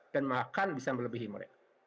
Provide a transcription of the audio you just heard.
dan makan bisa melebihi mereka